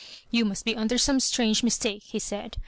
" You must be under some strange mis take," he said.